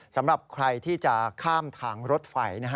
สำหรับใครที่จะข้ามทางรถไฟ